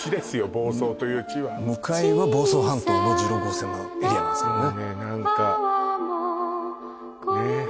房総という地は向かいは房総半島の１６号線のエリアなんですけどね